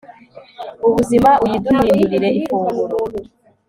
ubuzima, uyiduhindurire ifunguro